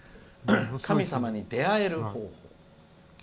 「神様に出会える方法。